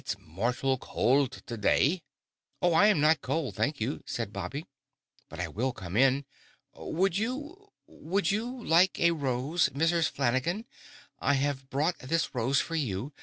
It's mortal cowld the day." "Oh, I'm not cold, thank you!" said Bobby. "But I will come in. Would you—would you like a rose, Mrs. Flanagan? I have brought this rose for you.